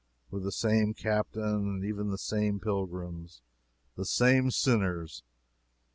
With the same captain and even the same pilgrims, the same sinners.